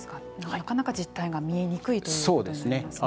なかなか実態が見えにくいということになりますね。